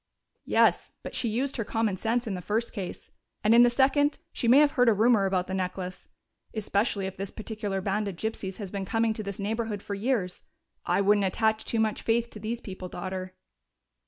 "Yes, but she used her common sense in the first case, and in the second, she may have heard a rumor about the necklace especially if this particular band of gypsies has been coming to this neighborhood for years.... I wouldn't attach too much faith to these people, Daughter."